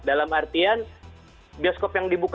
dalam artian bioskop yang dibuka